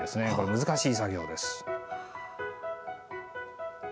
難しい作業です。